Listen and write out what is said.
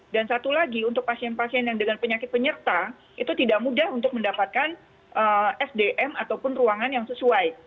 dan satu lagi untuk pasien pasien yang dengan penyakit penyerta itu tidak mudah untuk mendapatkan sdm ataupun ruangan yang sesuai